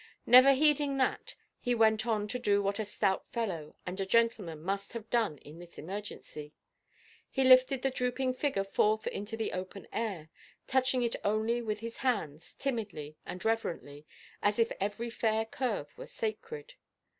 Never heeding that, he went on to do what a stout fellow and a gentleman must have done in this emergency. He lifted the drooping figure forth into the open air, touching it only with his hands, timidly and reverently, as if every fair curve were sacred.